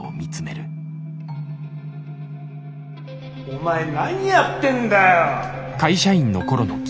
おいでよ。お前何やってんだよ！